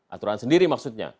aturan sendiri maksudnya